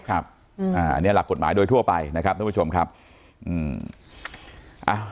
อันนี้หลักกฎหมายโดยทั่วไปนะครับทุกผู้ชมครับอืมอ้าว